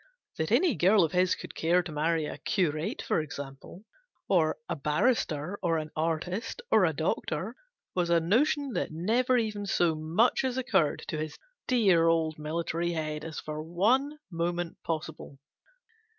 That any girl of his could care to marry a curate, for example, or a barrister, or an artist, or a doctor, was a notion that never even so much as occurred to his dear old military head as for one moment possible.